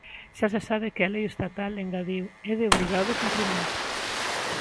"Xa se sabe que a lei estatal", engadiu, é de "obrigado" cumprimento.